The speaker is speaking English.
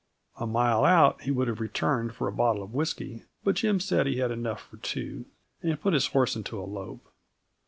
A mile out, he would have returned for a bottle of whisky; but Jim said he had enough for two, and put his horse into a lope.